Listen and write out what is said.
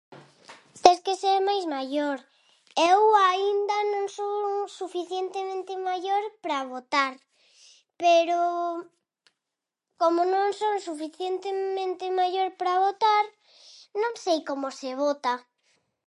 Tes que ser máis maior, eu aínda non son suficientemente maior pra votar, pero como non son suficientemente maior pra votar, non sei como se vota.